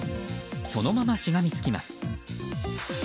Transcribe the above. そのまましがみつきます。